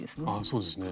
そうですね。